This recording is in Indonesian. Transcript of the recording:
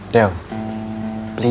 dia juga bawa boneka lagi